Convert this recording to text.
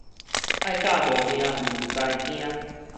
愛甲無命毋知驚